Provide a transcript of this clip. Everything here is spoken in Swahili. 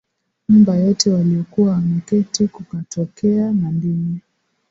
nyumba yote waliyokuwa wameketi Kukatokea na ndimi